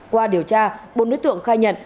qua điều tra bốn đối tượng khai nhận